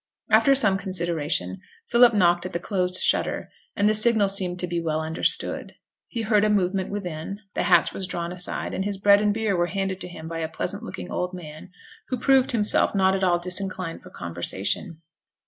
After some consideration, Philip knocked at the closed shutter, and the signal seemed to be well understood. He heard a movement within; the hatch was drawn aside, and his bread and beer were handed to him by a pleasant looking old man, who proved himself not at all disinclined for conversation.